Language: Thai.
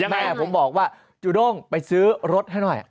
แม่ผมบอกว่าจูด้งไปซื้อรถให้หน่อย